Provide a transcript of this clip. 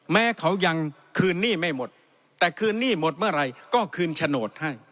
แม้เขายังคืนหนี้ไม่หมดแต่คืนหนี้หมดเมื่อไหร่ก็คืนโฉนดให้